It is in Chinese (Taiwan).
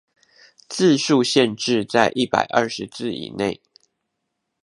字數限制在一百二十字以內